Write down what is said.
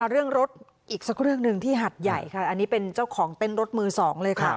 เรื่องรถอีกสักเรื่องหนึ่งที่หัดใหญ่ค่ะอันนี้เป็นเจ้าของเต้นรถมือ๒เลยค่ะ